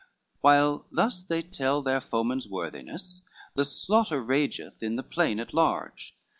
XLI While thus they tell their foemen's worthiness, The slaughter rageth in the plain at large.